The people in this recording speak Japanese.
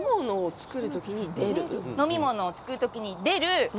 飲み物を作る時に出る？